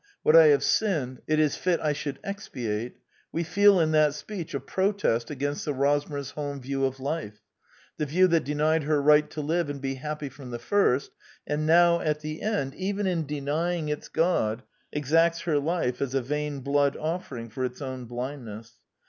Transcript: What I have sinned it is fit I should expiate," we feel in that speech a protest against the Rosmers holm view of life: the view that denied her right to live and be happy from the first, and now at the end, even in denying its God, exacts her life as a vain blood o£Fering for its own blindness.